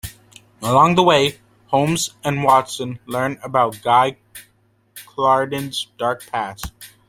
Along the way, Holmes and Watson learn about Guy Clarendon's dark past.